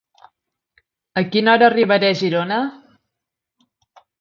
A quina hora arribaré a Girona?